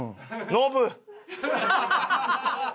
ノブ！